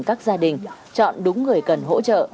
các gia đình chọn đúng người cần hỗ trợ